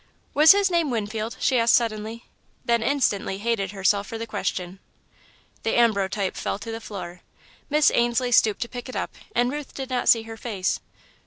"Was his name Winfield?" she asked suddenly, then instantly hated herself for the question. The ambrotype fell to the floor. Miss Ainslie stooped to pick it up and Ruth did not see her face.